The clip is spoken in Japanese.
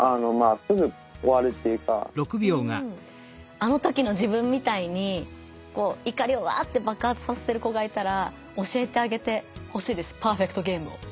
あの時の自分みたいに怒りをワッて爆発させてる子がいたら教えてあげてほしいです「パーフェクトゲーム」を。